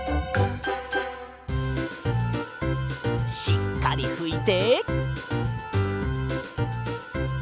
しっかりふいて。